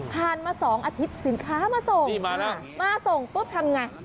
ผ่านมา๒อาทิตย์สินค้ามาส่งมาส่งปุ๊บทำอย่างไร